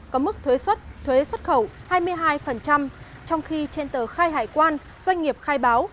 có mức thuế xuất thuế xuất khẩu hai mươi hai trong khi trên tờ khai hải quan doanh nghiệp khai báo